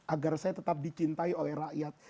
agar saya tetap dicintai oleh rakyat